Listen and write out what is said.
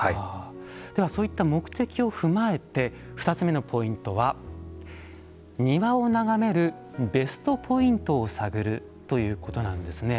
ではそういった目的を踏まえて２つ目のポイントは庭を眺めるベストポイントを探るということなんですね。